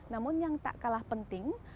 namun yang tak kalah penting